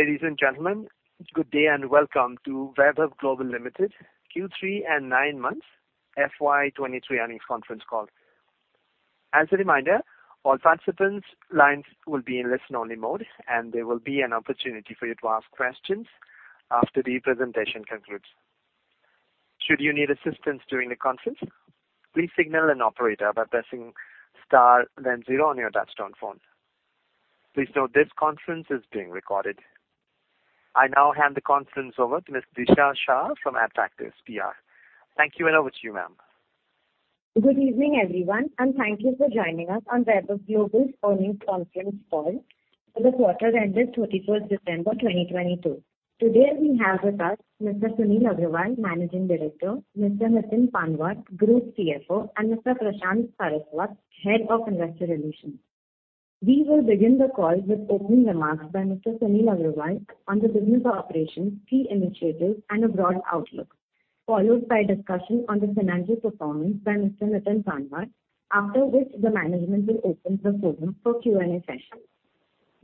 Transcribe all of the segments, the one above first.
Ladies and gentlemen, good day and welcome to Vaibhav Global Limited Q3 and nine months FY 2023 earnings conference call. As a reminder, all participants' lines will be in listen-only mode, and there will be an opportunity for you to ask questions after the presentation concludes. Should you need assistance during the conference, please signal an operator by pressing star then zero on your touchtone phone. Please note this conference is being recorded. I now hand the conference over to Miss Disha Shah from Adfactors PR. Thank you, and over to you, ma'am. Good evening, everyone, and thank you for joining us on Vaibhav Global's earnings conference call for the quarter ended 31st December 2022. Today we have with us Mr. Sunil Agrawal, Managing Director, Mr. Nitin Panwad, Group CFO, and Mr. Prashant Saraswat, Head of Investor Relations. We will begin the call with opening remarks by Mr. Sunil Agrawal on the business operations, key initiatives, and a broad outlook, followed by a discussion on the financial performance by Mr. Nitin Panwad, after which the management will open the forum for Q&A session.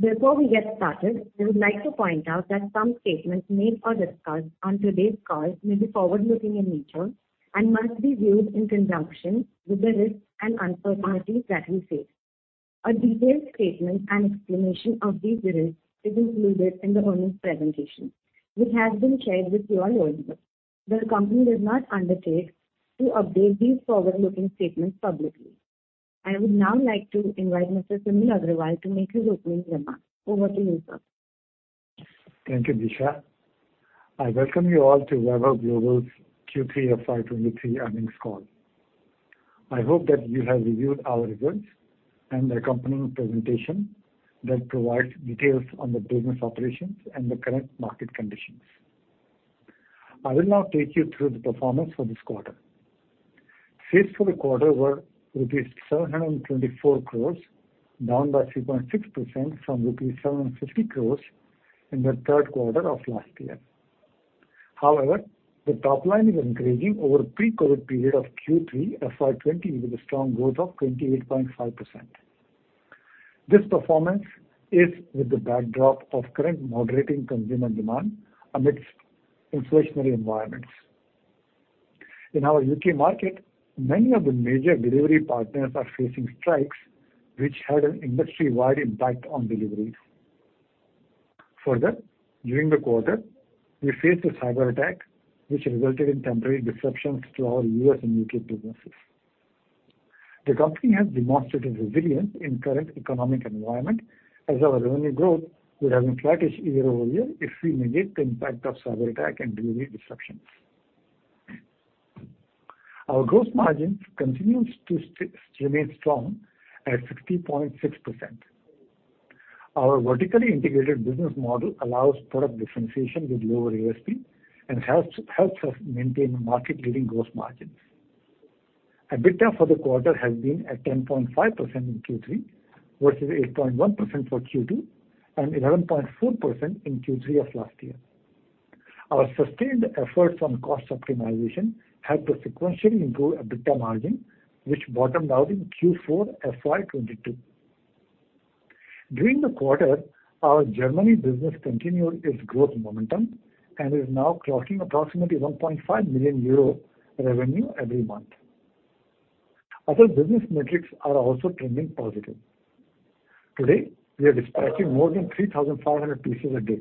Before we get started, we would like to point out that some statements made or discussed on today's call may be forward-looking in nature and must be viewed in conjunction with the risks and uncertainties that we face. A detailed statement and explanation of these risks is included in the earnings presentation, which has been shared with you all already. The company does not undertake to update these forward-looking statements publicly. I would now like to invite Mr. Sunil Agrawal to make his opening remarks. Over to you, sir. Thank you, Disha. I welcome you all to Vaibhav Global's Q3 FY 2023 earnings call. I hope that you have reviewed our results and the accompanying presentation that provides details on the business operations and the current market conditions. I will now take you through the performance for this quarter. Sales for the quarter were rupees 724 crore, down by 3.6% from rupees 750 crore in the 3rd quarter of last year. The top-line is increasing over pre-COVID period of Q3 FY 2020 with a strong growth of 28.5%. This performance is with the backdrop of current moderating consumer demand amidst inflationary environments. In our U.K. market, many of the major delivery partners are facing strikes which had an industry-wide impact on deliveries. Further, during the quarter, we faced a cyber attack which resulted in temporary disruptions to our U.S. and U.K. businesses. The company has demonstrated resilience in current economic environment, as our revenue growth would have been flattish year-over-year if we negate the impact of cyber attack and delivery disruptions. Our gross margins continues to remain strong at 60.6%. Our vertically integrated business model allows product differentiation with lower USP and helps us maintain market-leading gross margins. EBITDA for the quarter has been at 10.5% in Q3 versus 8.1% for Q2 and 11.4% in Q3 of last year. Our sustained efforts on cost optimization helped to sequentially improve EBITDA margin, which bottomed out in Q4 FY 2022. During the quarter, our Germany business continued its growth momentum and is now clocking approximately 1.5 million euro revenue every month. Other business metrics are also trending positive. Today, we are dispatching more than 3,500 pieces a day.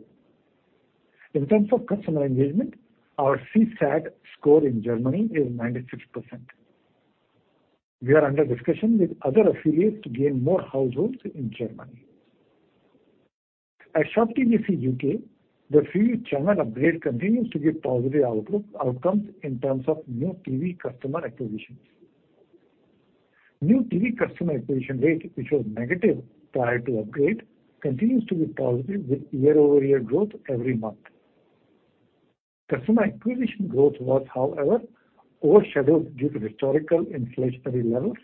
In terms of customer engagement, our CSAT score in Germany is 96%. We are under discussion with other affiliates to gain more households in Germany. At Shop TJC, the Freeview channel upgrade continues to give positive outcomes in terms of new TV customer acquisitions. New TV customer acquisition rate, which was negative prior to upgrade, continues to be positive with year-over-year growth every month. Customer acquisition growth was, however, overshadowed due to historical inflationary levels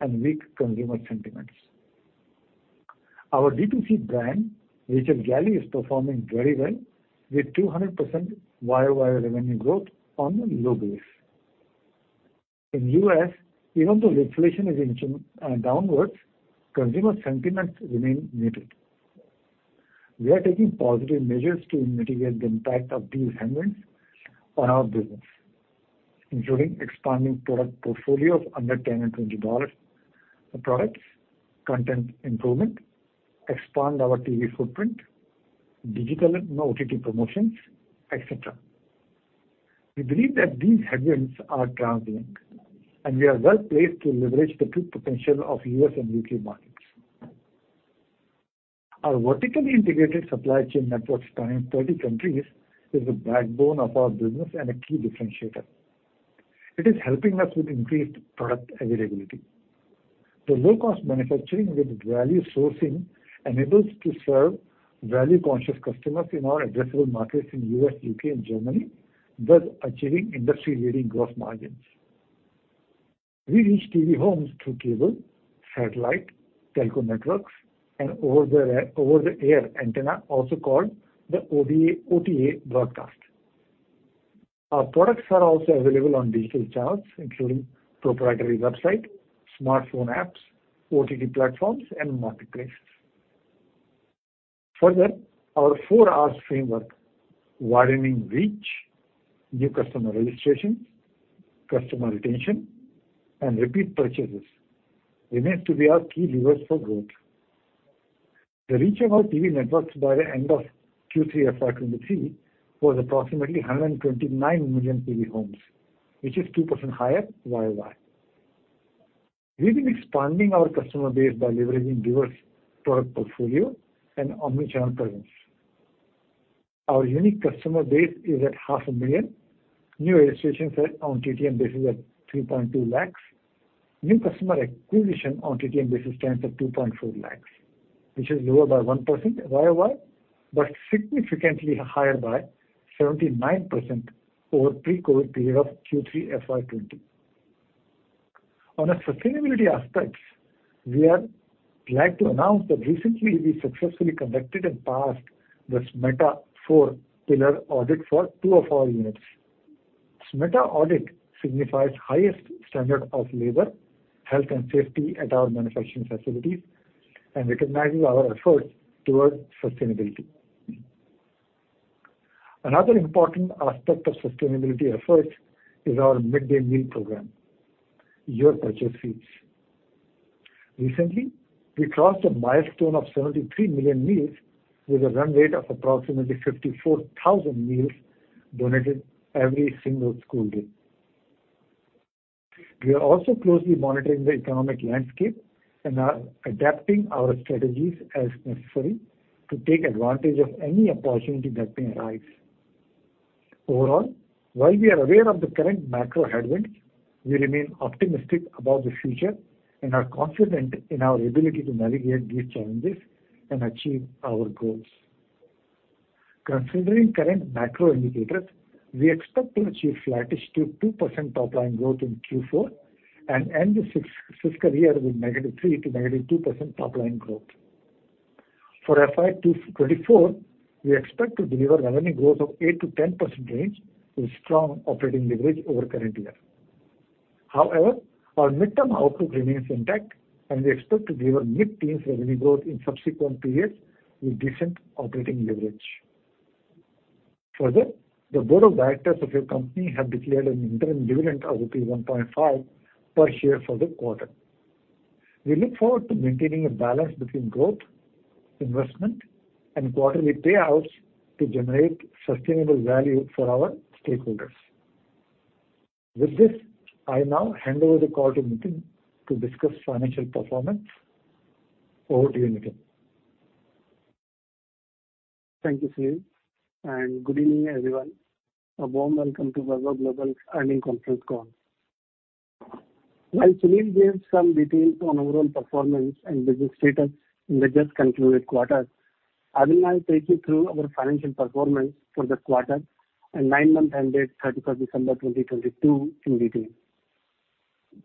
and weak consumer sentiments. Our D2C brand, Rachel Galley, is performing very well with 200% year-over-year revenue growth on a low base. In U.S., even though inflation is inching downwards, consumer sentiments remain muted. We are taking positive measures to mitigate the impact of these headwinds on our business, including expanding product portfolio of under $10 and $20 products, content improvement, expand our TV footprint, digital and OTT promotions, etc. We believe that these headwinds are transient. We are well-placed to leverage the true potential of U.S. and U.K. markets. Our vertically integrated supply chain network spanning 30 countries is the backbone of our business and a key differentiator. It is helping us with increased product availability. The low-cost manufacturing with value sourcing enables to serve value-conscious customers in our addressable markets in U.S., U.K., and Germany, thus achieving industry-leading gross margins. We reach TV homes through cable, satellite, telco networks, and over-the-air antenna, also called the OTA broadcast. Our products are also available on digital channels, including proprietary website, smartphone apps, OTT platforms, and marketplaces. Further, our four Rs framework: widening reach, new customer registrations, customer retention, and repeat purchases remains to be our key levers for growth. The reach of our TV networks by the end of Q3 FY 2023 was approximately 129 million TV homes, which is 2% higher year-over-year. We've been expanding our customer base by leveraging diverse product portfolio and omni-channel presence. Our unique customer base is at half a million. New registrations on TTM basis at 3.2 lakhs. New customer acquisition on TTM basis stands at 2.4 lakhs, which is lower by 1% year-over-year, but significantly higher by 79% over pre-COVID period of Q3 FY 2020. On a sustainability aspects, we are glad to announce that recently we successfully conducted and passed the SMETA 4-Pillar Audit for two of our units. SMETA audit signifies highest standard of labor, health, and safety at our manufacturing facilities and recognizing our efforts towards sustainability. Another important aspect of sustainability efforts is our midday meal program, Your Purchase Feeds. Recently, we crossed a milestone of 73 million meals with a run rate of approximately 54,000 meals donated every single school day. We are also closely monitoring the economic landscape and are adapting our strategies as necessary to take advantage of any opportunity that may arise. Overall, while we are aware of the current macro headwinds, we remain optimistic about the future and are confident in our ability to navigate these challenges and achieve our goals. Considering current macro indicators, we expect to achieve flattish to 2% top-line growth in Q4 and end this fiscal year with -3% to -2% top-line growth. For FY 2024, we expect to deliver revenue growth of 8%-10% range with strong operating leverage over current year. Our midterm outlook remains intact, and we expect to deliver mid-teens revenue growth in subsequent periods with decent operating leverage. The Board of Directors of our company have declared an interim dividend of INR 1.5 crore per share for the quarter. We look forward to maintaining a balance between growth, investment, and quarterly payouts to generate sustainable value for our stakeholders. With this, I now hand over the call to Nitin to discuss financial performance. Over to you, Nitin. Thank you, Sunil, and good evening, everyone. A warm welcome to Vaibhav Global's Earnings Conference Call. While Sunil gave some details on overall performance and business status in the just concluded quarter, I will now take you through our financial performance for this quarter and nine months ended 31st December 2022 in detail.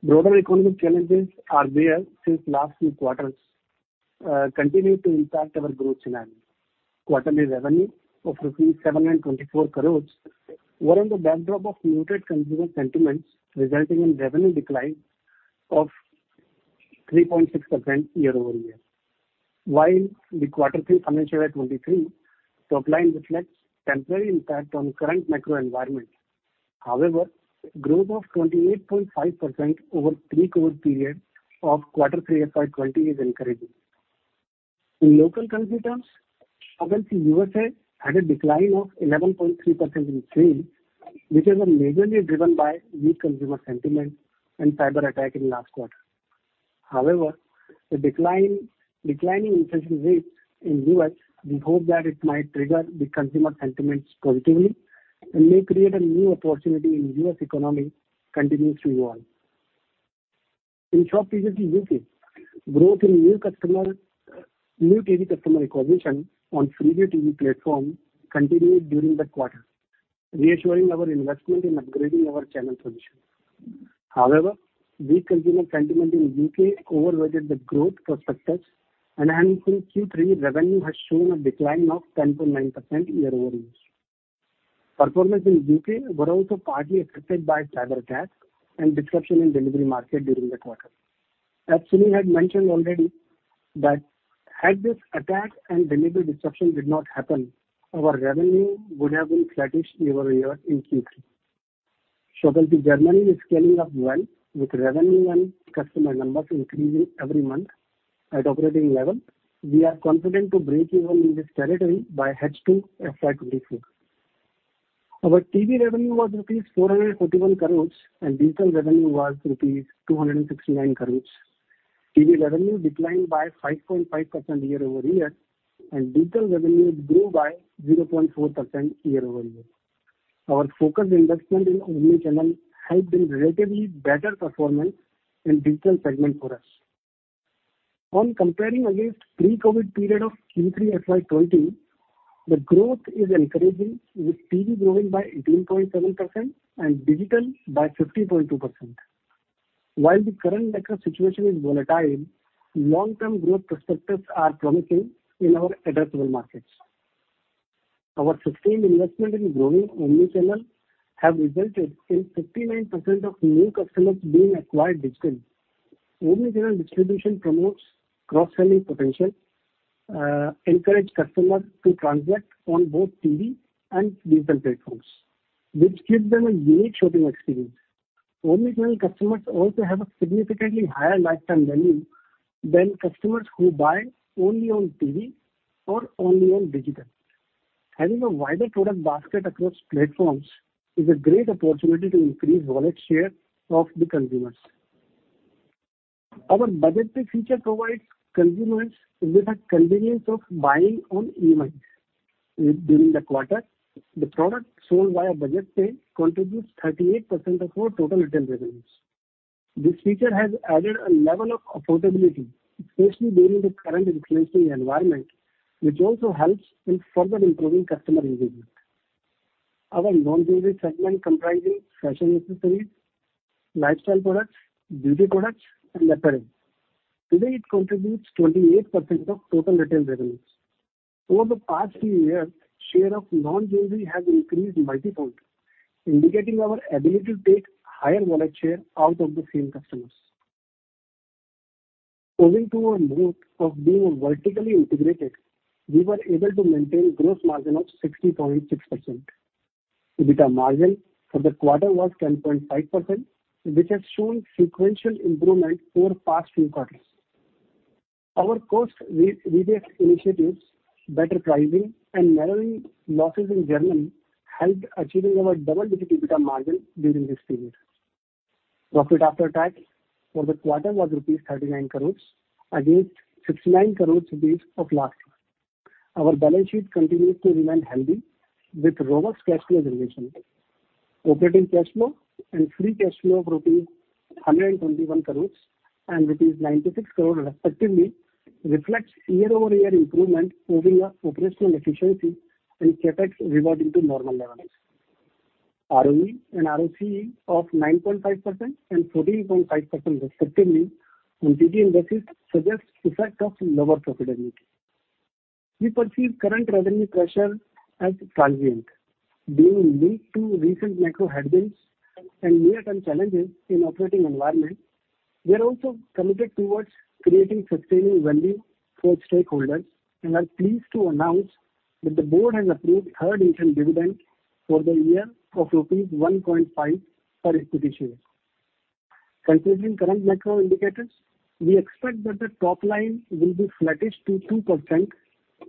Broader economic challenges are there since last few quarters, continue to impact our growth plans. Quarterly revenue of rupees 724 crores were on the backdrop of muted consumer sentiments, resulting in revenue decline of 3.6% year-over-year. While the quarter 3 financial year 2023 top-line reflects temporary impact on current macro environment. However, growth of 28.5% over pre-COVID period of quarter 3 FY 2020 is encouraging. In local currency terms, had a decline of 11.3% in Q3, which is majorly driven by weak consumer sentiment and cyber attacks in last quarter. However, declining interest rates in the U.S., we hope that it might trigger the consumer sentiments positively and may create a new opportunity in U.S. economy continues to evolve. In short periods in the U.K., growth in new TV customer acquisition on Freeview TV platform continued during the quarter, reassuring our investment in upgrading our channel position. However, weak consumer sentiment in the U.K. overweighted the growth perspectives and hence in Q3, revenue has shown a decline of 10.9% year-over-year. Performance in the U.K. were also partly affected by cyber attacks and disruption in delivery market during the quarter. As Sunil had mentioned already that had this attack and delivery disruption did not happen, our revenue would have been flattish year-over-year in Q3. Shop LC Germany is scaling up well, with revenue and customer numbers increasing every month. At operating level, we are confident to break even in this territory by H2 FY 2024. Our TV revenue was rupees 441 crore and digital revenue was rupees 269 crore. TV revenue declined by 5.5% year-over-year, and digital revenue grew by 0.4% year-over-year. Our focused investment in omni-channel had been relatively better performance in digital segment for us. On comparing against pre-COVID period of Q3 FY 2020, the growth is encouraging, with TV growing by 18.7% and digital by 50.2%. The current macro situation is volatile, long-term growth perspectives are promising in our addressable markets. Our sustained investment in growing omnichannel have resulted in 59% of new customers being acquired digital. Omnichannel distribution promotes cross-selling potential, encourage customers to transact on both TV and digital platforms, which gives them a unique shopping experience. Omnichannel customers also have a significantly higher lifetime value than customers who buy only on TV or only on digital. Having a wider product basket across platforms is a great opportunity to increase wallet share of the consumers. Our Budget Pay feature provides consumers with the convenience of buying on EMI. During the quarter, the product sold via Budget Pay contributes 38% of our total retail revenues. This feature has added a level of affordability, especially during the current inflationary environment, which also helps in further improving customer engagement. Our non-jewelry segment comprises fashion accessories, lifestyle products, beauty products, and apparel. Today, it contributes 28% of total retail revenues. Over the past few years, share of non-jewelry has increased multipoint, indicating our ability to take higher wallet share out of the same customers. Owing to our mode of being vertically integrated, we were able to maintain gross margin of 60.6%. EBITDA margin for the quarter was 10.5%, which has shown sequential improvement over past few quarters. Our cost re-reduce initiatives, better pricing, and narrowing losses in Germany helped achieving our double-digit EBITDA margin during this period. Profit after tax for the quarter was rupees 39 crore against 69 crore rupees as of last year. Our balance sheet continues to remain healthy with robust cash flow generation. Operating cash flow and free cash flow of rupees 121 crore and rupees 96 crore respectively reflects year-over-year improvement owing our operational efficiency and CapEx reverting to normal levels. ROE and ROCE of 9.5% and 14.5% respectively on TTM basis suggests effect of lower profitability. We perceive current revenue pressure as transient, being linked to recent macro headwinds and near-term challenges in operating environment. We are also committed towards creating sustainable value for stakeholders, are pleased to announce that the board has approved third interim dividend for the year of rupees 1.5 crore per equity share. Considering current macro indicators, we expect that the top-line will be flattish to 2%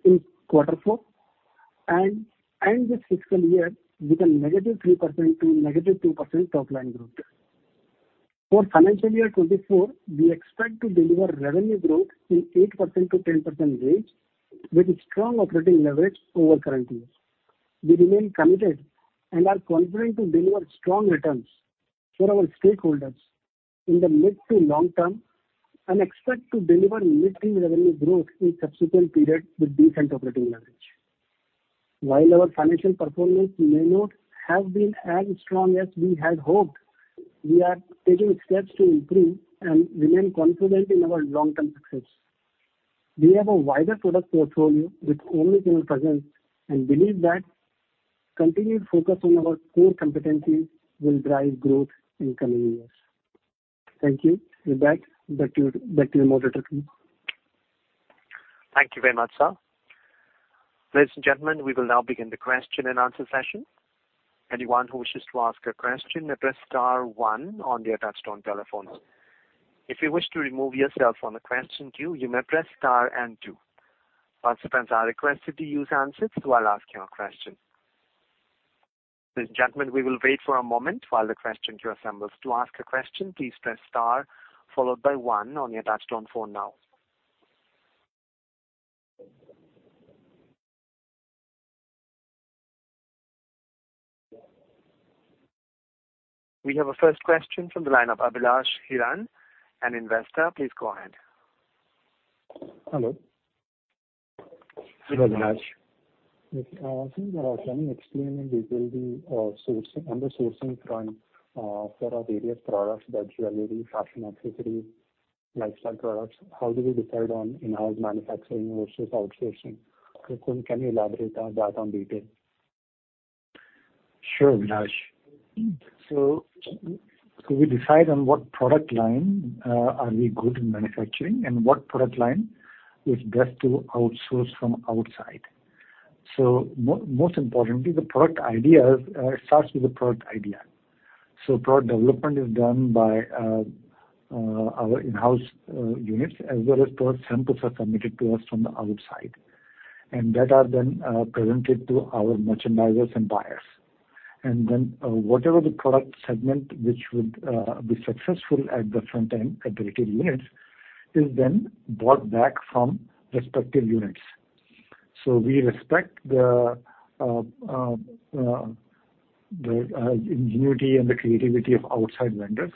in quarter four and end this fiscal year with a -3% to -2% top-line growth. For financial year 2024, we expect to deliver revenue growth in 8%-10% range with strong operating leverage over current year. We remain committed and are confident to deliver strong returns for our stakeholders in the mid to long term. We expect to deliver mid-teen revenue growth in subsequent period with decent operating leverage. While our financial performance may not have been as strong as we had hoped, we are taking steps to improve and remain confident in our long-term success. We have a wider product portfolio with omnichannel presence. We believe that continued focus on our core competencies will drive growth in coming years. Thank you. With that, back to your moderator. Thank you very much, sir. Ladies and gentlemen, we will now begin the question-and-answer session. Anyone who wishes to ask a question, press star one on their touchtone telephones. If you wish to remove yourself from the question queue, you may press star and two. Participants are requested to use answers while asking a question. Ladies and gentlemen, we will wait for a moment while the question queue assembles. To ask a question, please press star followed by one on your touchtone phone now. We have our first question from the line of Abhilash Heran, an investor. Please go ahead. Hello. Hello, Abhilash. Okay. Can you explain in detail on the sourcing front for our various products like jewelry, fashion accessories, lifestyle products, how do you decide on in-house manufacturing versus outsourcing? Kunal, can you elaborate on that on detail? Sure, Abhilash. We decide on what product line are we good in manufacturing and what product line is best to outsource from outside. Most importantly, the product ideas starts with the product idea. Product development is done by our in-house units as well as product samples are submitted to us from the outside. That are then presented to our merchandisers and buyers. Then whatever the product segment which would be successful at the front end at retail units is then bought back from respective units. We respect the ingenuity and the creativity of outside vendors.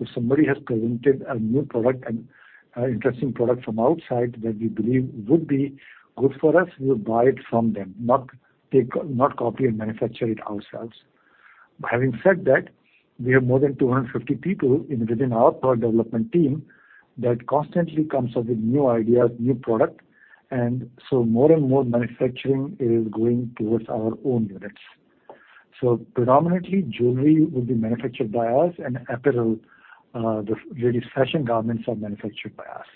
If somebody has presented a new product, an interesting product from outside that we believe would be good for us, we'll buy it from them. We don't copy and manufacture it ourselves. Having said that, we have more than 250 people within our product development team that constantly comes up with new ideas, new product, more and more manufacturing is going towards our own units. predominantly, jewelry will be manufactured by us and apparel, the really fashion garments are manufactured by us.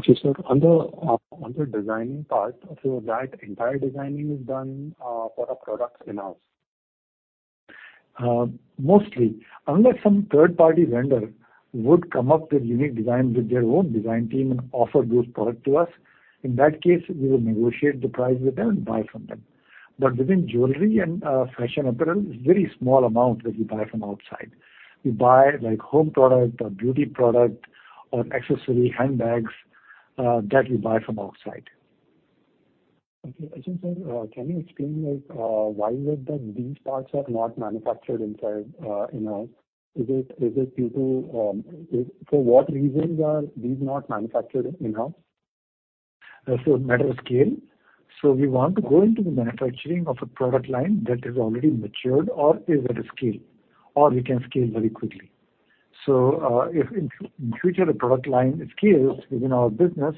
Okay, sir. On the, on the designing part, so that entire designing is done, for a product in-house? Mostly. Unless some third-party vendor would come up with unique design with their own design team and offer those products to us. In that case, we will negotiate the price with them and buy from them. Within jewelry and fashion apparel, it's very small amount that we buy from outside. We buy like home product or beauty product or accessory handbags, that we buy from outside. Okay. And then, sir, can you explain like, why is it that these parts are not manufactured inside, in-house? For what reasons are these not manufactured in-house? Matter of scale. We want to go into the manufacturing of a product line that is already matured or is at a scale, or we can scale very quickly. If in future the product line scales within our business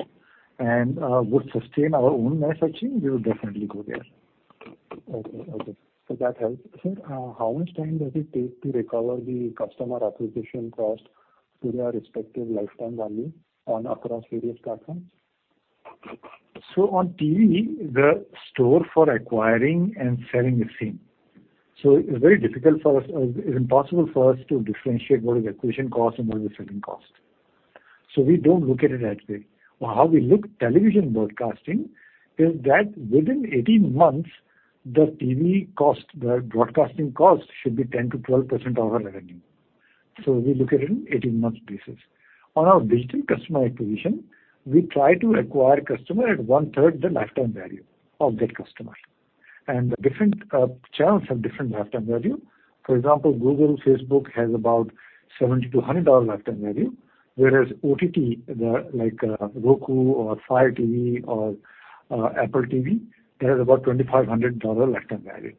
and would sustain our own manufacturing, we will definitely go there. Okay. Okay. that helps. Sir, how much time does it take to recover the customer acquisition cost to their respective lifetime value on across various platforms? On TV, the store for acquiring and selling is same. It's very difficult for us or is impossible for us to differentiate what is acquisition cost and what is selling cost. We don't look at it that way. How we look television broadcasting is that within 18 months, the TV cost, the broadcasting cost should be 10%-12% of our revenue. We look at it in 18 months basis. On our digital customer acquisition, we try to acquire customer at one-third the lifetime value of that customer. The different channels have different lifetime value. For example, Google, Facebook has about $70-$100 lifetime value. Whereas OTT, like Roku or Fire TV or Apple TV, they have about $2,500 lifetime value.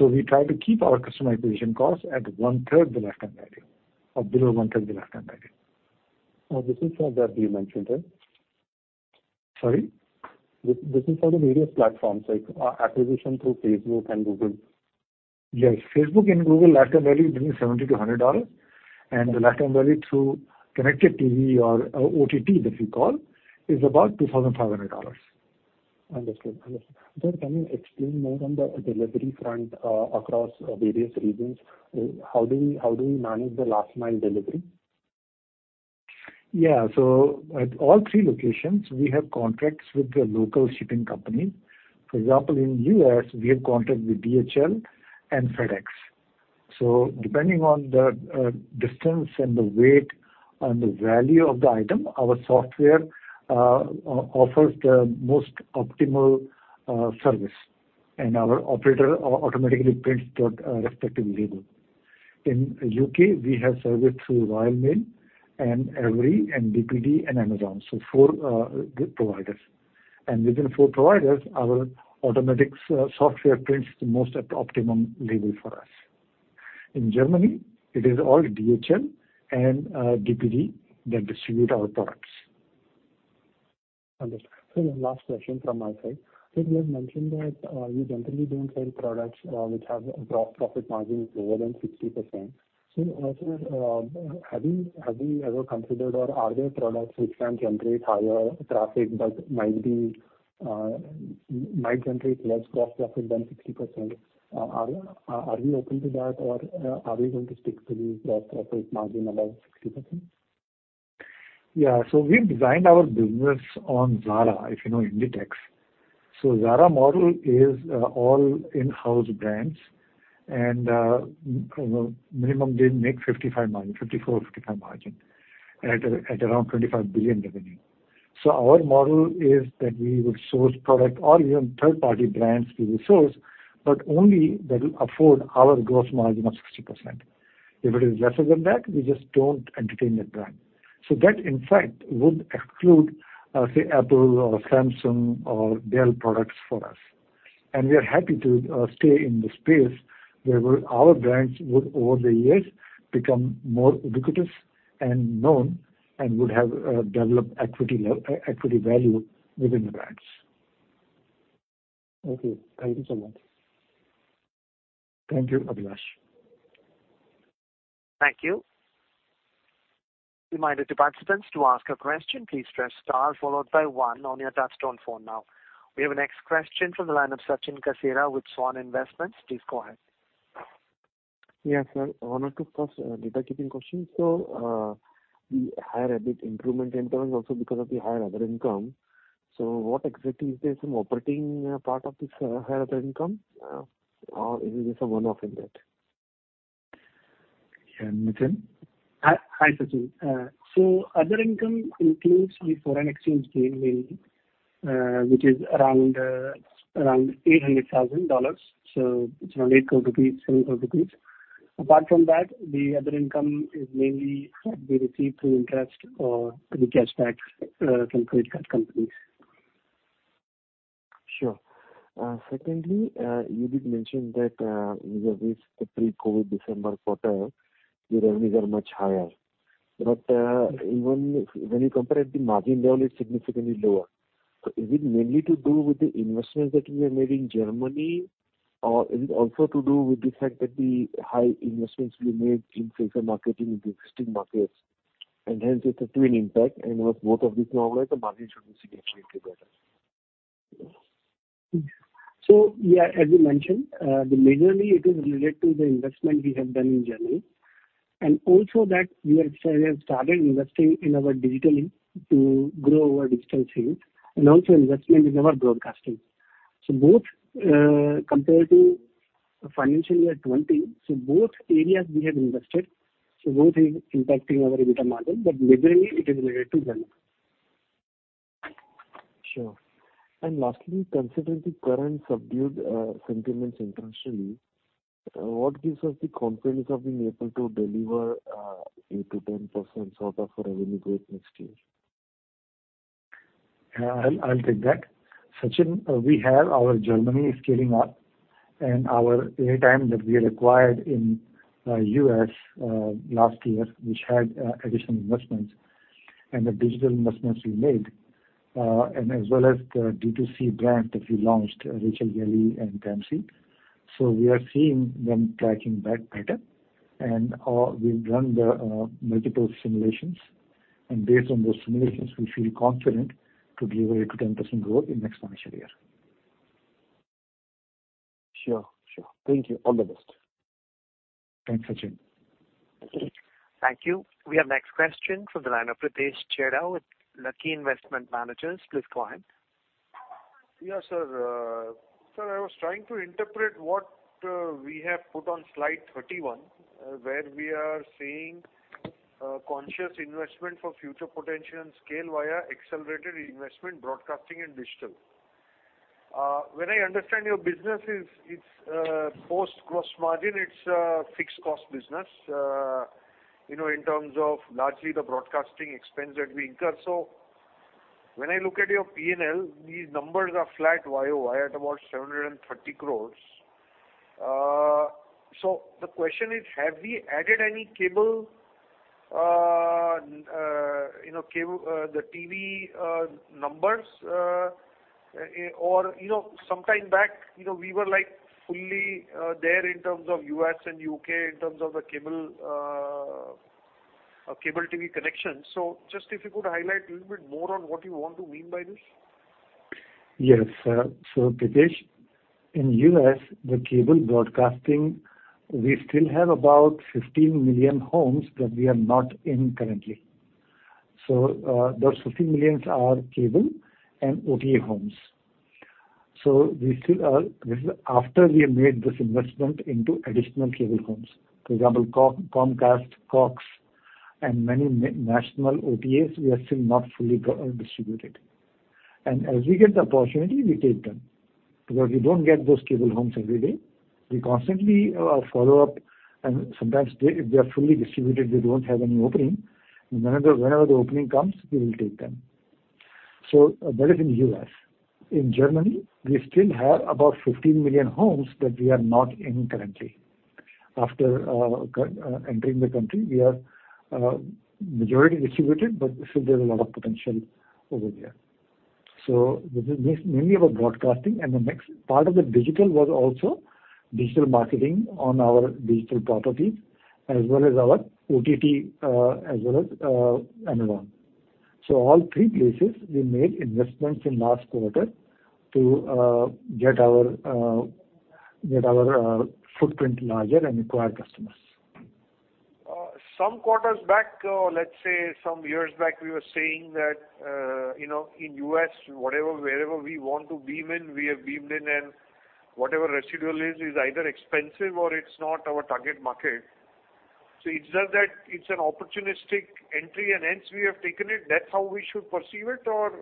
We try to keep our customer acquisition costs at one-third the lifetime value or below one-third the lifetime value. This is for that you mentioned, right? Sorry? This is for the various platforms like acquisition through Facebook and Google. Yes. Facebook and Google lifetime value between $70-$100. The lifetime value through connected TV or OTT, as we call, is about $2,500. Understood. Understood. Sir, can you explain more on the delivery front, across various regions? How do you manage the last mile delivery? At all three locations, we have contracts with the local shipping company. For example, in U.S. we have contract with DHL and FedEx. Depending on the distance and the weight and the value of the item, our software offers the most optimal service, and our operator automatically prints the respective label. In U.K., we have service through Royal Mail and Evri and DPD and Amazon. Four providers. Within four providers, our automatics software prints the most at optimum label for us. In Germany, It is all DHL and DPD that distribute our products. Understood. Sir, one last question from my side. Sir, you have mentioned that you generally don't sell products, which have a gross profit margin lower than 60%. Also, have you ever considered or are there products which can generate higher traffic but might generate less gross profit than 60%? Are you open to that or are you going to stick to the gross profit margin above 60%? Yeah. We've designed our business on Zara, if you know Inditex. Zara model is, all in-house brands and, you know, minimum they make 55% margin, 54%, 55% margin at around 25 billion revenue. Our model is that we would source product or even third-party brands we will source, but only that will afford our gross margin of 60%. If it is lesser than that, we just don't entertain that brand. That in fact would exclude, say, Apple or Samsung or Dell products for us. We are happy to stay in the space where our brands would over the years become more ubiquitous and known and would have developed equity value within the brands. Okay. Thank you so much. Thank you, Abhilash. Thank you. Reminder to participants to ask a question, please press star followed by one on your touchtone phone now. We have our next question from the line of Sachin Kasera with Svan Investment. Please go ahead. Yes, sir. One or two fast data keeping questions. The higher EBITDA improvement in turn is also because of the higher other income. What exactly is this, an operating part of this higher other income, or is it just a one-off event? Yeah. Nitin? Hi, Sachin. Other income includes the foreign exchange gain we, which is around $800,000. It's around 8 crore rupees, 7 crore rupees. Apart from that, the other income is mainly what we receive through interest or the cash backs from credit card companies. Sure. Secondly, you did mention that, with the pre-COVID December quarter, the revenues are much higher. Even when you compare it, the margin level is significantly lower. Is it mainly to do with the investments that you have made in Germany or is it also to do with the fact that the high investments you made in digital marketing in the existing markets, and hence it's a twin impact, and with both of these normalized, the margin should be significantly better? Yeah, as you mentioned, the majorly it is related to the investment we have done in Germany, and also that we have started investing in our digitally to grow our digital sales and also investment in our broadcasting. Both, compared to financial year 2020, so both areas we have invested, so both is impacting our EBITDA margin. Majorly it is related to Germany. Sure. Lastly, considering the current subdued sentiments internationally, what gives us the confidence of being able to deliver 8%-10% sort of a revenue growth next year? Yeah, I'll take that. Sachin, we have our Germany scaling up and our airtime that we acquired in U.S. last year, which had additional investments and the digital investments we made and as well as the D2C brand that we launched, Rachael Ray and Ramsey. We are seeing them tracking back better. We've run the multiple simulations, and based on those simulations, we feel confident to deliver 8%-10% growth in next financial year. Sure. Sure. Thank you. All the best. Thanks, Sachin. Thank you. We have next question from the line of Pritesh Chheda with Lucky Investment Managers. Please go ahead. Yeah, sir. Sir, I was trying to interpret what we have put on slide 31, where we are seeing conscious investment for future potential and scale via accelerated investment broadcasting and digital. When I understand your business is, it's post gross margin, it's a fixed cost business, you know, in terms of largely the broadcasting expense that we incur. When I look at your P&L, these numbers are flat YoY at about 730 crores. The question is, have we added any cable, you know, cable, the TV, numbers? You know, some time back, you know, we were like fully there in terms of U.S. and U.K. in terms of the cable TV connection. Just if you could highlight a little bit more on what you want to mean by this. Yes, so, Pritesh, in U.S., the cable broadcasting, we still have about 15 million homes that we are not in currently. Those 15 millions are cable and OTA homes. We still are. This is after we have made this investment into additional cable homes. For example, Comcast, Cox, and many national OTAs, we are still not fully distributed. As we get the opportunity, we take them, because we don't get those cable homes every day. We constantly follow up, and sometimes they, if they are fully distributed, they don't have any opening. Whenever the opening comes, we will take them. That is in U.S. In Germany, we still have about 15 million homes that we are not in currently. After entering the country, we are majority distributed, but still there's a lot of potential over there. This is mainly about broadcasting. The next part of the digital was also digital marketing on our digital properties as well as our OTT, as well as analog. All three places we made investments in last quarter to get our footprint larger and acquire customers. Some quarters back, or let's say some years back, we were saying that, you know, in U.S., whatever, wherever we want to beam in, we have beamed in, and whatever residual is either expensive or it's not our target market. It's just that it's an opportunistic entry and hence we have taken it? That's how we should perceive it or...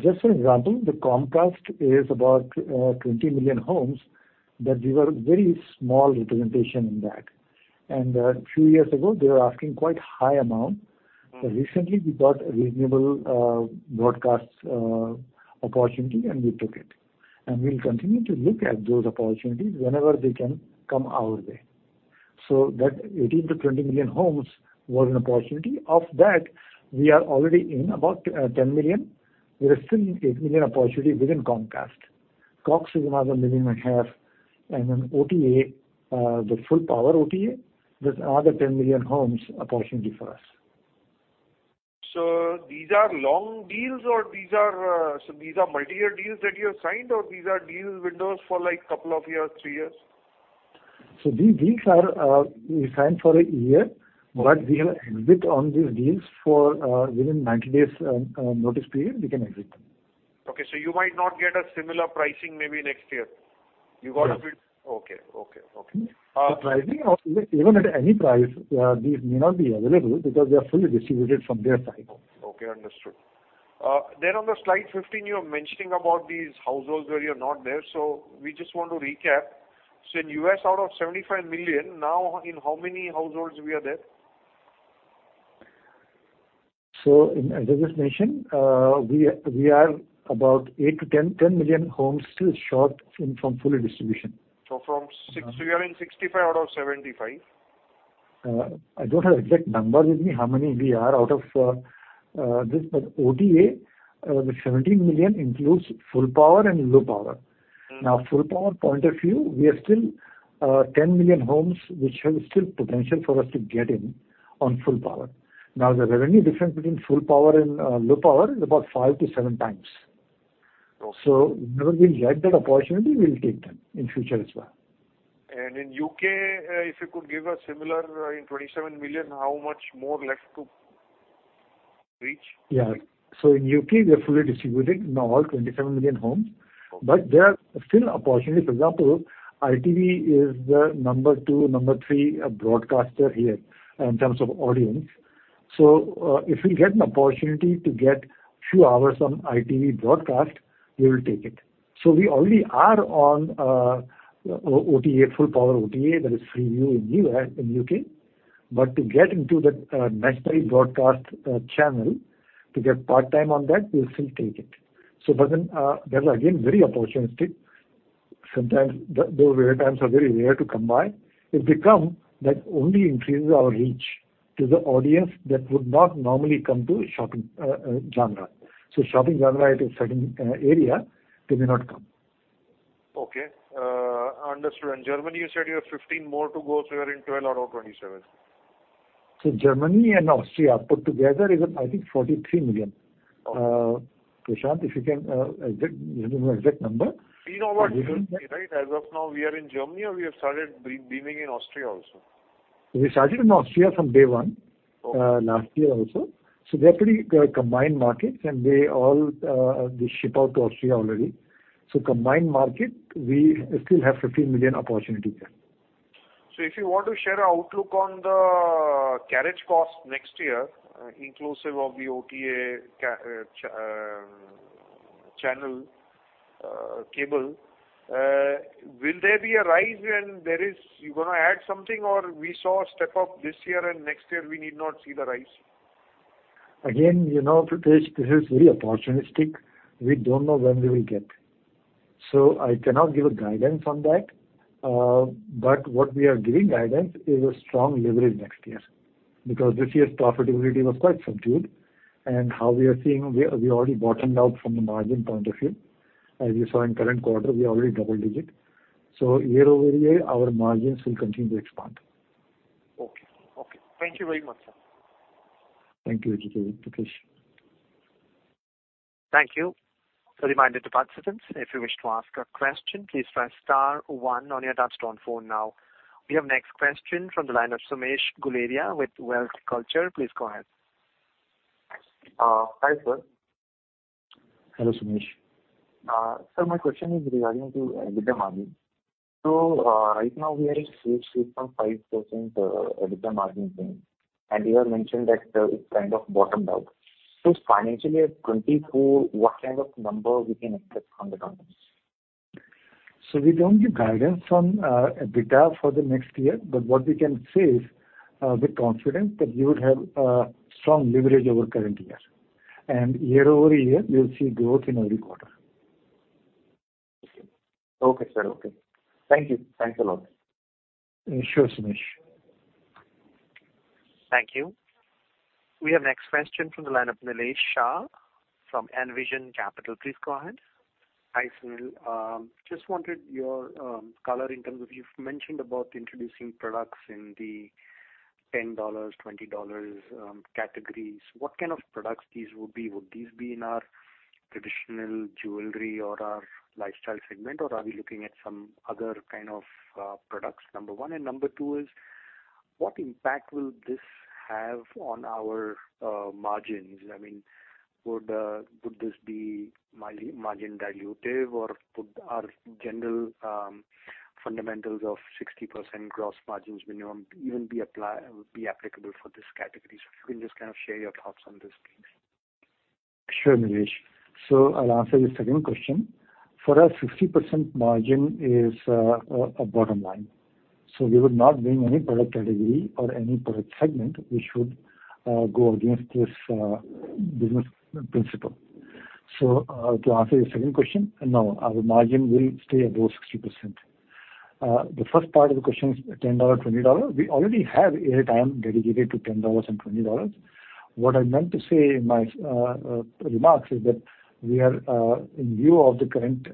Just for example, the Comcast is about 20 million homes, but we were very small representation in that. A few years ago, they were asking quite high amount. Recently we got a reasonable broadcast opportunity, and we took it. We'll continue to look at those opportunities whenever they can come our way. That 18 million-20 million homes was an opportunity. Of that, we are already in about 10 million. There is still 8 million opportunity within Comcast. Cox is another million and a half. OTA, the full power OTA, there's another 10 million homes opportunity for us. These are long deals or these are multi-year deals that you have signed, or these are deal windows for like couple of years, three years? These deals are, we sign for a year, but we have exit on these deals for, within 90 days, notice period, we can exit. Okay. You might not get a similar pricing maybe next year. You got a bit- Yes. Okay. Okay. Okay. The pricing or even at any price, these may not be available because they are fully distributed from their side. Okay, understood. On the slide 15, you are mentioning about these households where you're not there. We just want to recap. In U.S., out of 75 million, now in how many households we are there? As I just mentioned, we are about 8-10 million homes still short from full distribution. From six- Uh- We are in 65 million out of 75 million. I don't have exact numbers with me how many we are out of this. But OTA, the 17 million includes full power and low power. Mm-hmm. Full power point of view, we are still 10 million homes which have still potential for us to get in on full power. The revenue difference between full power and low power is about 5-7x. Okay. Whenever we get that opportunity, we'll take them in future as well. In U.K., if you could give a similar, in 27 million, how much more left to reach? Yeah. In U.K. we are fully distributing in all 27 million homes. Okay. There are still opportunity. For example, ITV is the number two, number three broadcaster here in terms of audience. If we get an opportunity to get few hours on ITV broadcast, we will take it. We already are on OTA, full power OTA, that is Freeview in U.S., in U.K. To get into that nationally broadcast channel, to get part-time on that, we'll still take it. That is again very opportunistic. Sometimes those air times are very rare to come by. If they come, that only increases our reach to the audience that would not normally come to shopping genre. Shopping genre is a certain area they may not come. Understood. In Germany, you said you have 15 more to go. You're in 12 out of 27. Germany and Austria put together is, I think 43 million. Okay. Pritesh, if you can, exit, give them exact number. We know about Germany, right? As of now, we are in Germany or we have started beaming in Austria also? We started in Austria from day one. Okay. Last year also. They're pretty combined markets, and they all, they ship out to Austria already. Combined market, we still have 15 million opportunity there. If you want to share our outlook on the carriage costs next year, inclusive of the OTA channel, cable, will there be a rise when there is... You're gonna add something or we saw a step up this year and next year we need not see the rise? You know, Pritesh, this is very opportunistic. We don't know when we will get. I cannot give a guidance on that. But what we are giving guidance is a strong leverage next year. This year's profitability was quite subdued, and how we are seeing, we already bottomed out from the margin point of view. As you saw in current quarter, we are already double digit. Year-over-year, our margins will continue to expand. Okay. Okay. Thank you very much, sir. Thank you again, Pritesh. Thank you. A reminder to participants, if you wish to ask a question, please press star 1 on your touchtone phone now. We have next question from the line of Sumesh Guleria with WealthCulture. Please go ahead. Hi, sir. Hello, Sumesh. Sir, my question is regarding to EBITDA margin. Right now we are at 6.5% EBITDA margin, and you have mentioned that it's kind of bottomed out. Financially at 2024, what kind of number we can expect from the margins? We don't give guidance on EBITDA for the next year, but what we can say is, with confidence that we would have a strong leverage over current year. Year-over-year, we'll see growth in every quarter. Okay. Okay, sir. Okay. Thank you. Thanks a lot. Sure, Sumesh. Thank you. We have next question from the line of Nilesh Shah from Envision Capital. Please go ahead. Hi, Sunil. Just wanted your color in terms of you've mentioned about introducing products in the $10, $20 categories. What kind of products these would be? Would these be in our traditional jewelry or our lifestyle segment, or are we looking at some other kind of products? Number one. Number two is what impact will this have on our margins? I mean, would this be margin dilutive, or could our general fundamentals of 60% gross margins minimum even be apply, be applicable for this category? If you can just kind of share your thoughts on this, please. Sure, Nilesh. I'll answer the second question. For us, 60% margin is a bottom-line. We would not bring any product category or any product segment which would go against this business principle. To answer your second question, no, our margin will stay above 60%. The first part of the question is $10, $20. We already have airtime dedicated to $10 and $20. What I meant to say in my remarks is that we are, in view of the current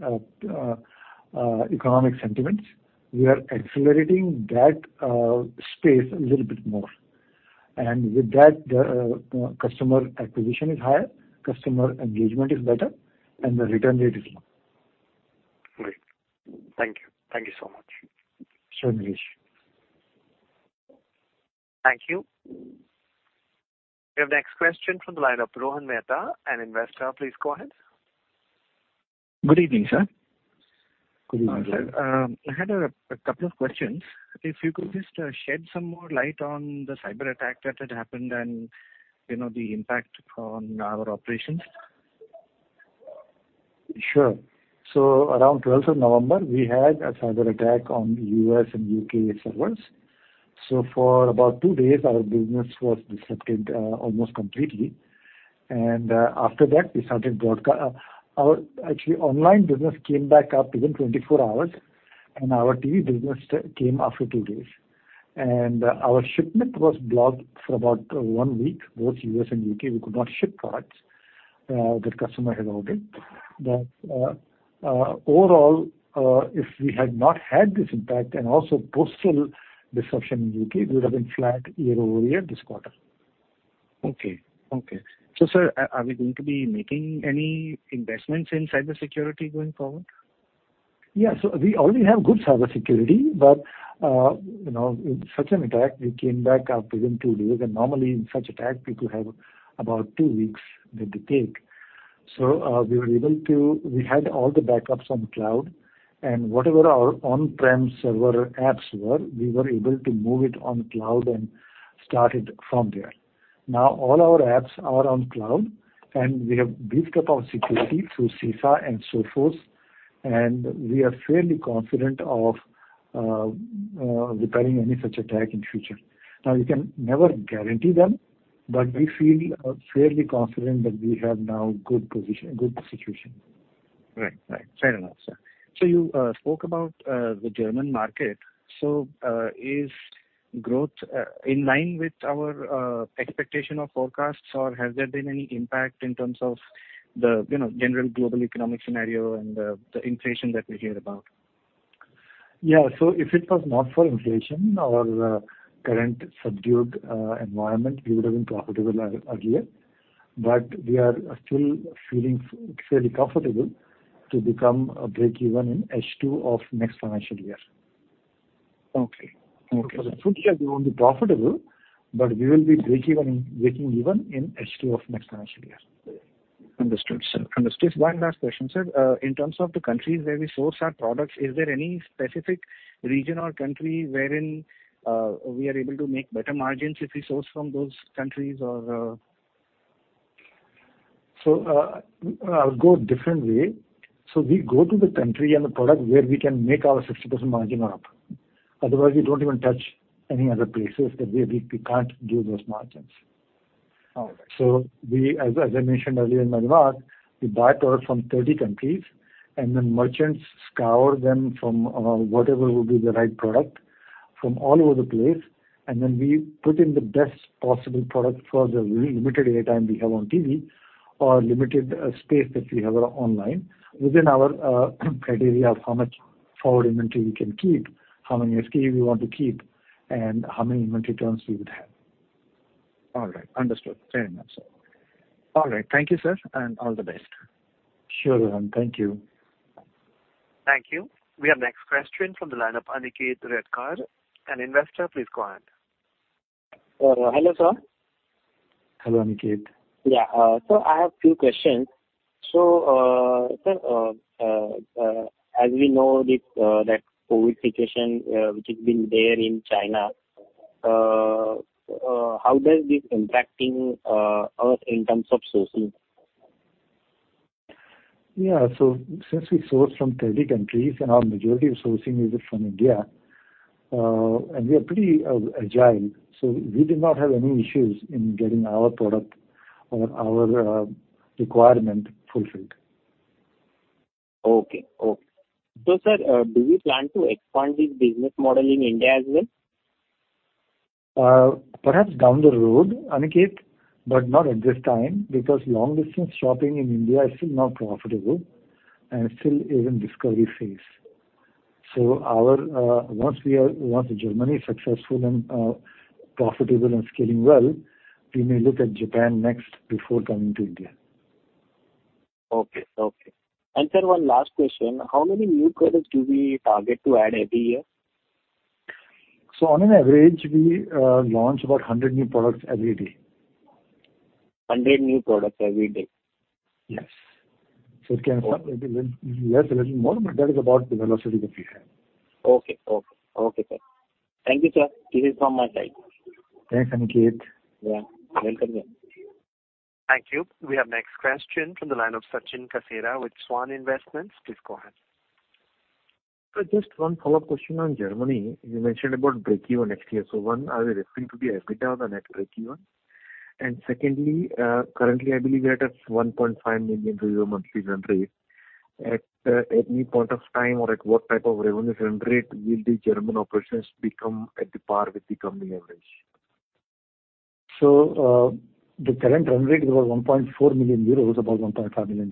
economic sentiments, we are accelerating that space a little bit more. With that, the customer acquisition is higher, customer engagement is better, and the return rate is low. Great. Thank you. Thank you so much. Sure, Nilesh. Thank you. We have next question from the line of Rohan Mehta, an investor. Please go ahead. Good evening, sir. Good evening. Sir, I had a couple of questions. If you could just shed some more light on the cyber attack that had happened and, you know, the impact on our operations. Sure. Around 12th of November, we had a cyber attack on U.S. and U.K. servers. For about two days, our business was disrupted almost completely. After that we started. Our, actually, online business came back up within 24 hours, and our TV business came after two days. Our shipment was blocked for about one week, both U.S. and U.K. We could not ship products that customer had ordered. Overall, if we had not had this impact and also postal disruption in U.K., we would have been flat year-over-year this quarter. Okay. Sir, are we going to be making any investments in cybersecurity going forward? We already have good cybersecurity, but, you know, with such an attack, we came back up within two days. Normally in such attack, people have about two weeks that they take. We had all the backups on cloud and whatever our on-prem server apps were, we were able to move it on cloud and started from there. Now all our apps are on cloud, and we have beefed up our security through FIFA and Sophos, and we are fairly confident of repairing any such attack in future. Now, you can never guarantee them, but we feel fairly confident that we have now good position, good situation. Right. Right. Fair enough, sir. You spoke about the German market. Is growth in line with our expectation of forecasts or has there been any impact in terms of the, you know, general global economic scenario and the inflation that we hear about? If it was not for inflation or current subdued environment, we would have been profitable earlier. We are still feeling fairly comfortable to become breakeven in H2 of next financial year. Okay. Okay. For the full year we won't be profitable, but we will be breakeven, breaking even in H2 of next financial year. Understood, sir. Understood. One last question, sir. In terms of the countries where we source our products, is there any specific region or country wherein, we are able to make better margins if we source from those countries or? I'll go different way. We go to the country and the product where we can make our 60% margin up. Otherwise, we don't even touch any other places that we can't do those margins. All right. As I mentioned earlier in my remark, we buy product from 30 countries, and the merchants scour them from whatever would be the right product from all over the place, and then we put in the best possible product for the very limited airtime we have on TV or limited space that we have online within our criteria of how much forward inventory we can keep, how many SKUs we want to keep, and how many inventory turns we would have. All right. Understood. Fair enough, sir. All right. Thank you, sir, and all the best. Sure, Rohan. Thank you. Thank you. We have next question from the line of Aniketh Rekhar. Investor, please go ahead. Hello, sir. Hello, Aniketh. Yeah. I have few questions. Sir, as we know this, that COVID situation which has been there in China, how does this impacting us in terms of sourcing? Yeah. Since we source from 30 countries and our majority of sourcing is from India, and we are pretty agile, so we did not have any issues in getting our product or our requirement fulfilled. Okay. Okay. Sir, do you plan to expand this business model in India as well? Perhaps down the road, Aniket, not at this time, because long-distance shopping in India is still not profitable and still is in discovery phase. Once Germany is successful and profitable and scaling well, we may look at Japan next before coming to India. Okay. Okay. Sir, one last question. How many new products do we target to add every year? On an average, we launch about 100 new products every day. 100 new products every day? Yes. Okay. Yes, a little more, but that is about the velocity that we have. Okay. Okay. Okay, sir. Thank you, sir. This is from my side. Thanks, Aniketh. Yeah. Welcome. Thank you. We have next question from the line of Sachin Kasera with Svan Investment. Please go ahead. Sir, just one follow-up question on Germany. You mentioned about breakeven next year. One, are you referring to the EBITDA or the net breakeven? Secondly, currently I believe we're at a EUR 1.5 million monthly run rate. At any point of time or at what type of revenue run rate will the German operations become at the par with the company average? The current run rate was 1.4 million euros, about $1.5 million.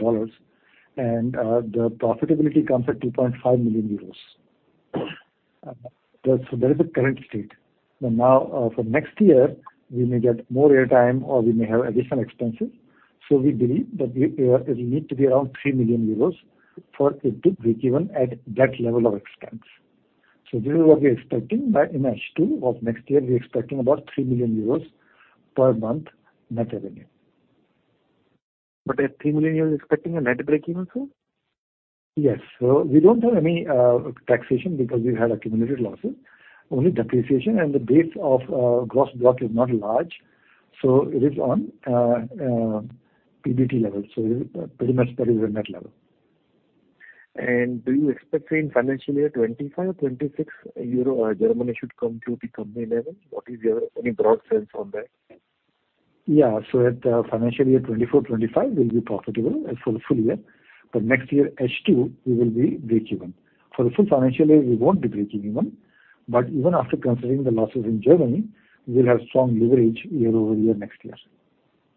The profitability comes at 2.5 million euros. Okay. That is the current state. Now, for next year we may get more airtime or we may have additional expenses. We believe that we need to be around 3 million euros for it to break even at that level of expense. This is what we are expecting by in H2 of next year. We're expecting about 3 million euros per month net revenue. At 3 million expecting a net breakeven, sir? Yes. We don't have any taxation because we have accumulated losses, only depreciation. The base of gross block is not large, so it is on PBT level. Pretty much that is the net level. Do you expect in financial year 2025, 2026 EUR, Germany should come to the company level? What is your any broad sense on that? At financial year 2024/2025, we'll be profitable for the full year. Next year, H2, we will be breakeven. For the full financial year, we won't be breaking even. Even after considering the losses in Germany, we'll have strong leverage year-over-year next year.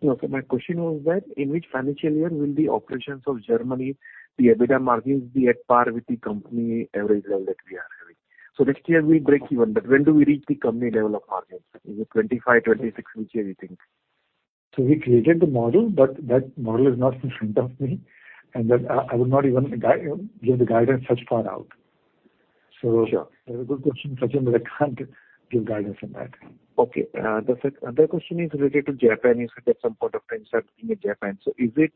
Okay. My question was that in which financial year will the operations of Germany, the EBITDA margins be at par with the company average level that we are having? Next year we break even, but when do we reach the company level of margins? Is it 2025, 2026? Which year you think? We created the model, but that model is not in front of me, and that I would not even give the guidance such far out. Sure. Very good question, Sachin, but I can't give guidance on that. Okay. The other question is related to Japan. You said that some product insights in Japan. Is it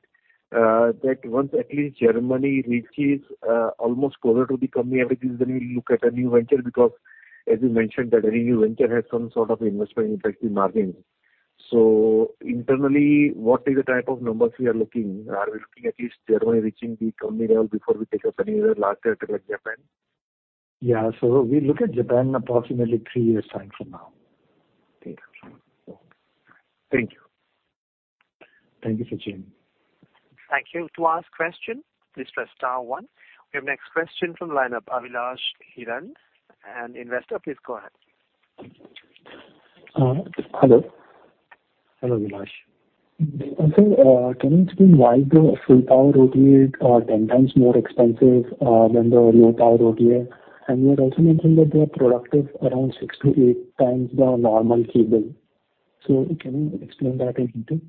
that once at least Germany reaches almost closer to the company averages, then we look at a new venture? As you mentioned that any new venture has some sort of investment impact in margins. Internally, what is the type of numbers we are looking? Are we looking at least Germany reaching the company level before we take up any other larger like Japan? Yeah. We look at Japan approximately three years time from now. Okay. Thank you. Thank you, Sachin. Thank you. To ask question, please press star one. We have next question from line of Abhilash Heran, an investor. Please go ahead. Hello. Hello, Abhilash. Sir, can you explain why the full power OTA are 10x more expensive than the low power OTA? You had also mentioned that they are productive around 6-8x the normal cable. Can you explain that in detail?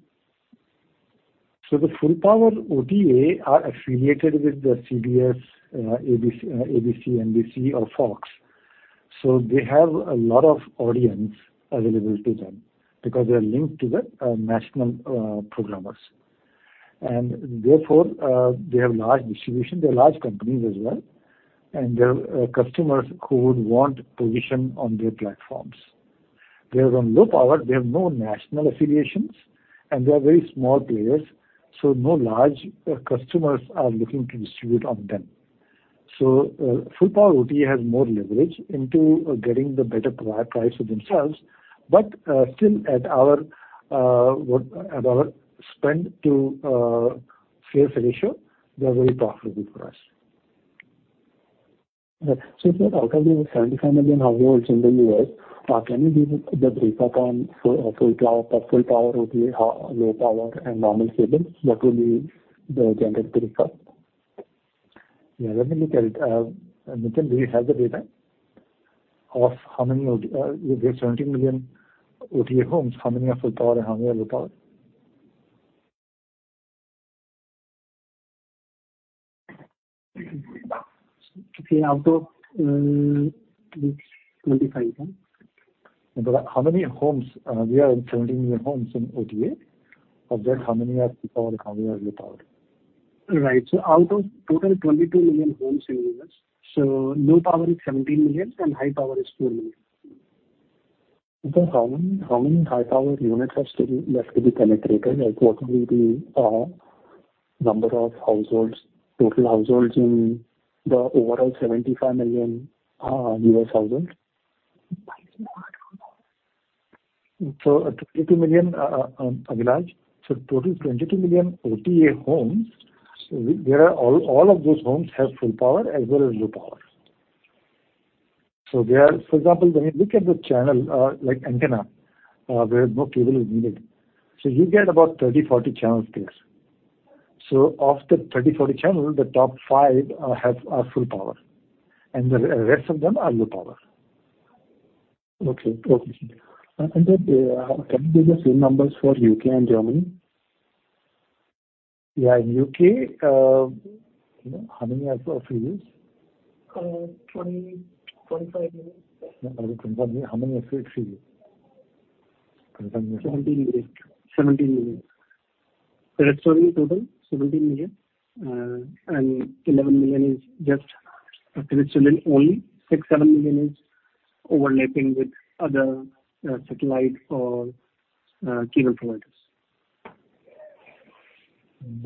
The full power OTA are affiliated with the CBS, ABC, NBC or Fox. They have a lot of audience available to them because they're linked to the national programmers. Therefore, they have large distribution. They're large companies as well, and there are customers who would want position on their platforms. They're on low power. They have no national affiliations, and they are very small players, so no large customers are looking to distribute on them. Full power OTA has more leverage into getting the better price for themselves. Still at our spend to sales ratio, they're very profitable for us. Sir, out of the 75 million households in the US, can you give the breakup on full power, full power OTA, low power and normal cable? What will be the general breakup? Yeah. Let me look at it. Nitin, do you have the data of how many you have 70 million OTA homes. How many are full power and how many are low power? Okay. Out of which 25, sir. How many homes, we have 17 million homes in OTA. Of that, how many are full power and how many are low power? Right. Out of total 22 million homes in U.S., low power is 17 million and high power is 4 million. Sir, how many high power units are still left to be penetrated? Like, what will be number of households, total households in the overall 75 million U.S. household? 22 million, Abhilash Heran, so total 22 million OTA homes. There are all of those homes have full power as well as low power. There, for example, when you look at the channel, like antenna, where no cable is needed. You get about 30, 40 channels there. Of the 30, 40 channels, the top five are full power, and the rest of them are low power. Okay. Okay. Sir, can you give the same numbers for U.K. And Germany? Yeah. In U.K., how many are full use? 20 million crore-25 million crore. No. Out of 25 million, how many are full use? 25 million. INR 17 million. Free-to-air is only total INR 17 million crore, and 11 million crore is just free-to-air only. 6 crore-7 million crore is overlapping with other, satellite or, cable providers.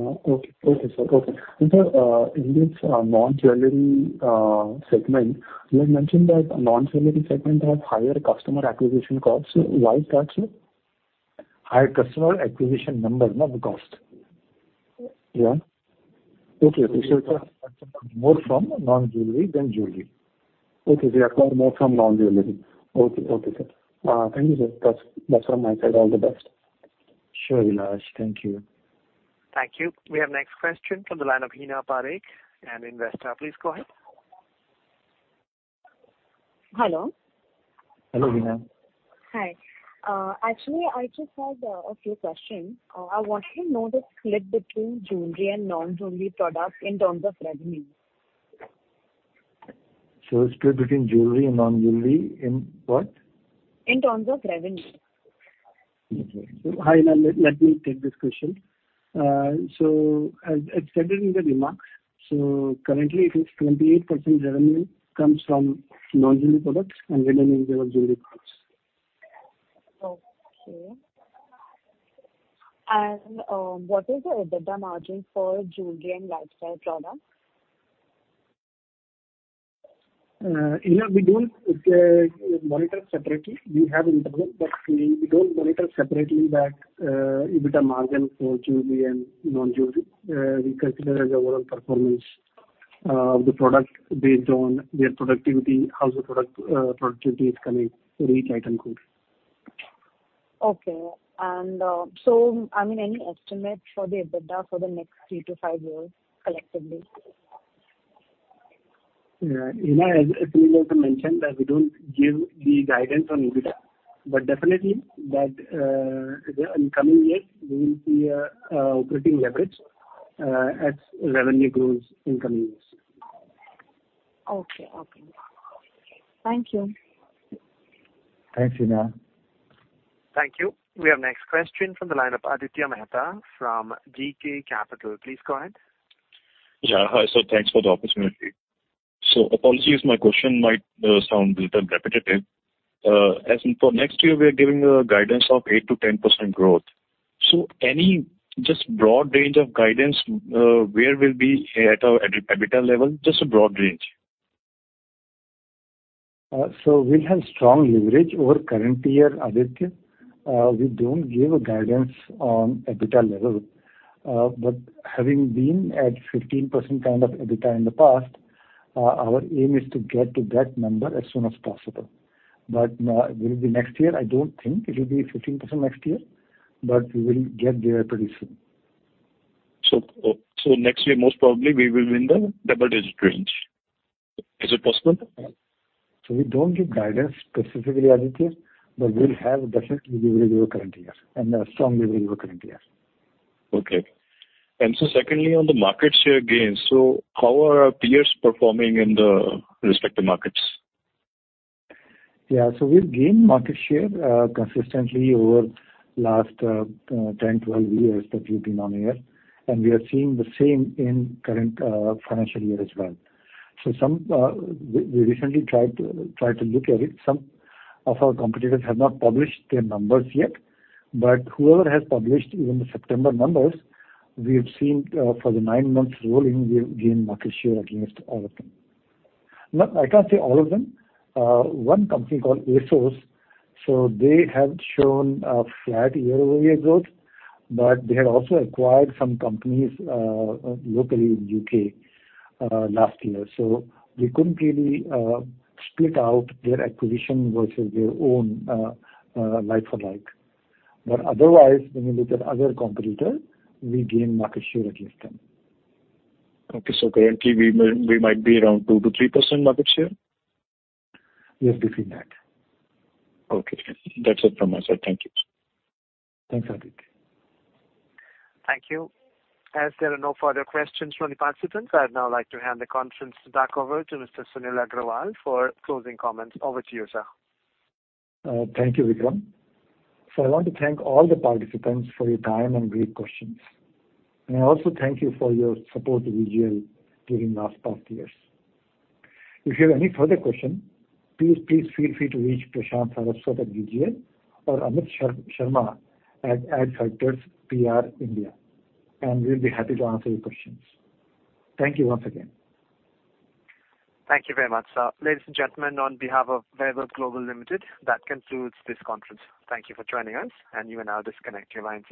Okay. Okay, sir. Okay. Sir, in this non-jewelry segment, you had mentioned that non-jewelry segment has higher customer acquisition costs. Why is that so? High customer acquisition number, not the cost. Yeah. Okay. sir, more from non-jewelry than jewelry. Okay. We acquire more from non-jewelry. Okay. Okay, sir. Thank you, sir. That's all my side. All the best. Sure, Abhilash. Thank you. Thank you. We have next question from the line of Heena Parekh, an investor. Please go ahead. Hello, Heena. Hi. Actually I just had a few questions. I want to know the split between jewelry and non-jewelry products in terms of revenue. Split between jewelry and non-jewelry in what? In terms of revenue. Okay. Heena, let me take this question. As stated in the remarks, currently it is 28% revenue comes from non-jewelry products and remaining are our jewelry products. Okay. What is the EBITDA margin for jewelry and lifestyle products? Heena, we don't monitor separately. We have interval, we don't monitor separately the EBITDA margin for jewelry and non-jewelry. We consider as our overall performance of the product based on their productivity, how the product productivity is coming for each item code. Okay. I mean, any estimate for the EBITDA for the next 3 to 5 years collectively? Heena, as Sunil also mentioned that we don't give the guidance on EBITDA, but definitely that in coming years we will see a operating leverage as revenue grows in coming years. Okay. Okay. Thank you. Thanks, Heena. Thank you. We have next question from the line of Aditya Mehta from G.K. Capital. Please go ahead. Yeah. Hi, sir. Thanks for the opportunity. Apologies, my question might sound little bit repetitive. As for next year we are giving a guidance of 8%-10% growth. Any just broad range of guidance, where we'll be at our EBITDA level? Just a broad range. We have strong leverage over current year, Aditya. We don't give a guidance on EBITDA level. Having been at 15% kind of EBITDA in the past, our aim is to get to that number as soon as possible. Will it be next year? I don't think it'll be 15% next year, but we will get there pretty soon. Next year, most probably we will be in the double-digit range. Is it possible? We don't give guidance specifically, Aditya, but we'll have definitely leverage over current year and a strong leverage over current year. Okay. Secondly, on the market share gains, so how are our peers performing in the respective markets? We've gained market share consistently over last 10, 12 years that we've been on air. We are seeing the same in current financial year as well. We recently tried to look at it. Some of our competitors have not published their numbers yet. Whoever has published even the September numbers, we have seen for the nine months rolling, we have gained market share against all of them. I can't say all of them. One company called ASOS, so they have shown a flat year-over-year growth. They had also acquired some companies locally in U.K. last year. We couldn't really split out their acquisition versus their own like for like. Otherwise, when we look at other competitor, we gain market share against them. Okay. Currently we might be around 2%-3% market share? Yes, between that. Okay. That's it from my side. Thank you. Thanks, Aditya. Thank you. As there are no further questions from the participants, I'd now like to hand the conference back over to Mr. Sunil Agrawal for closing comments. Over to you, sir. Thank you, Vikram. I want to thank all the participants for your time and great questions. I also thank you for your support to VGL during last past years. If you have any further question, please feel free to reach Prashant Saraswat at VGL or Amit Sharma at Adfactors PR India, and we'll be happy to answer your questions. Thank you once again. Thank you very much, sir. Ladies and gentlemen, on behalf of Vaibhav Global Limited, that concludes this conference. Thank you for joining us, and you may now disconnect your lines.